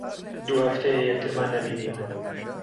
دوو هەفتەیە یەکترمان نەبینیوە.